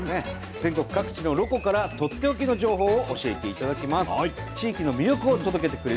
全国各地のロコからとっておきの情報を教えていただきます。